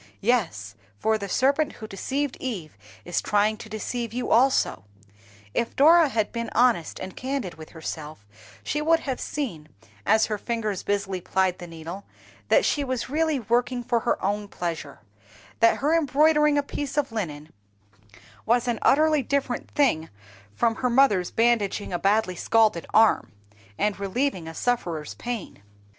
Yes, for the serpent who deceived Eve is trying to deceive you also. If Dora had been honest and candid with herself, she would have seen, as her fingers busily plied the needle, that she was really working for her own pleasure; that her embroidering a piece of linen was an utterly different thing from her mother's bandaging a badly scalded arm, and relieving a sufferer's pain.